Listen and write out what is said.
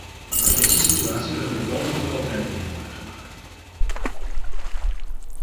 Bij deze situatie kunnen de volgende opmerkingen worden gemaakt.